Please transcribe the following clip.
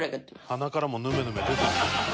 「鼻からもヌメヌメ出てる？」